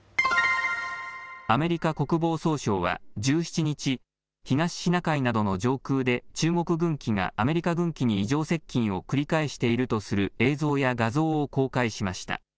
アメリカ国防総省は１７日、東シナ海などの上空で中国軍機がアメリカ軍機に異常接近を繰り返しているとする映像や画像を公開しました。